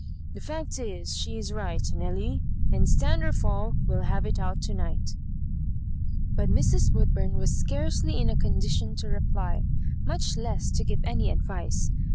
" The fact is, she is right, Nelly, and, stand or fall, we'll have it out to night" But Mrs. Woodbum was scarcely in a con dition to reply, much less to give any advice.